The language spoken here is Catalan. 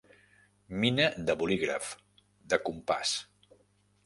Mina de bolígraf, de compàs.